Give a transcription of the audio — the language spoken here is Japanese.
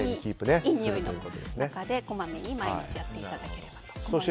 いいにおいの中でこまめに毎日やっていただければと思います。